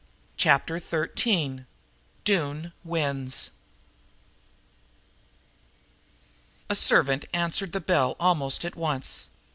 Chapter Thirteen Doone Wins A servant answered the bell almost at once.